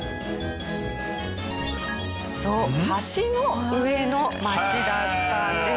そう橋の上の街だったんです。